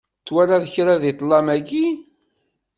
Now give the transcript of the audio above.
Twalaḍ kra deg ṭlam-agi?